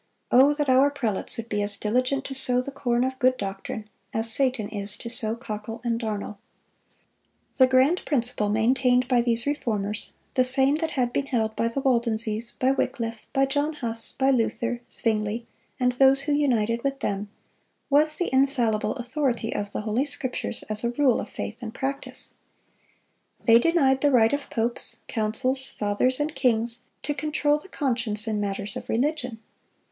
O that our prelates would be as diligent to sow the corn of good doctrine, as Satan is to sow cockle and darnel!"(366) The grand principle maintained by these Reformers—the same that had been held by the Waldenses, by Wycliffe, by John Huss, by Luther, Zwingle, and those who united with them—was the infallible authority of the Holy Scriptures as a rule of faith and practice. They denied the right of popes, councils, Fathers, and kings, to control the conscience in matters of religion.